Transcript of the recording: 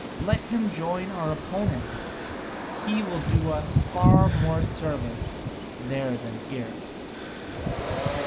Let him join our opponents, he will do us far more service there than here."